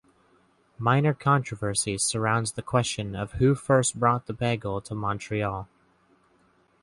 Minor controversy surrounds the question of who first brought the bagel to Montreal.